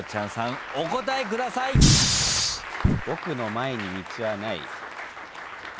「僕の前に道はない」え。